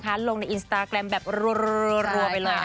ผมจะลงในแบบรั๋รั่วไปเลยคุณผู้ชมค่ะ